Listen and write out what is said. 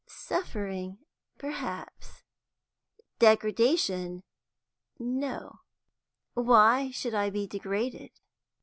"Suffering, perhaps; degradation, no. Why should I be degraded?"